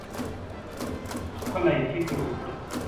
ښکلی فکر وکړه.